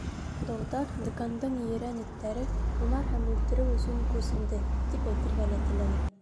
Долдар — Декандың ерән эттәре — һунар һәм үлтереү өсөн күсенде, тип әйтергә лә теләне.